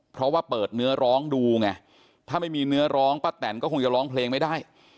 เพราะว่าเปิดเนื้อร้องดูไงถ้าไม่มีเนื้อร้องป้าแตนก็คงจะร้องเพลงไม่ได้